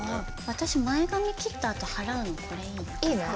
私前髪切ったあと払うのこれいいなあ。